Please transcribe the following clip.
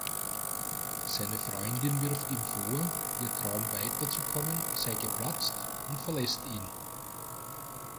Seine Freundin wirft ihm vor, ihr Traum "weiterzukommen" sei geplatzt und verlässt ihn.